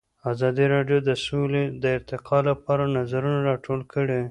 ازادي راډیو د سوله د ارتقا لپاره نظرونه راټول کړي.